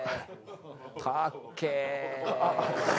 かっけぇ。